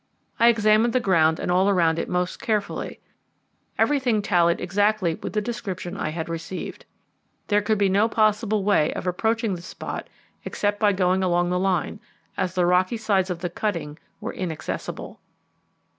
I examined the ground and all around it most carefully. Everything tallied exactly with the description I had received. There could be no possible way of approaching the spot except by going along the line, as the rocky sides of the cutting were inaccessible.